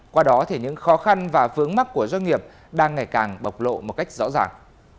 qua đó thì những khó khăn và vướng mắt của doanh nghiệp đang ngày càng bộc lộ một cách rõ ràng